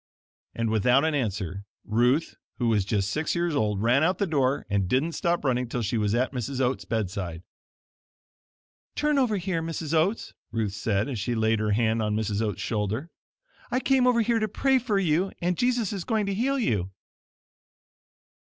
And without an answer, Ruth, who was just six years old ran out the door and didn't stop running till she was at Mrs. Oat's bedside. "Turn over here, Mrs. Oats," Ruth said, as she laid her hand on Mrs. Oats' shoulder. "I came over here to pray for you and Jesus is going to heal you."